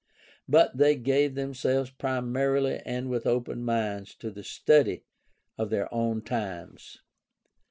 But they gave themselves primarily and with open minds to the study of their own times.